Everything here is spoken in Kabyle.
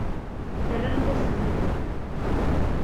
Terramt-asen-ten-id.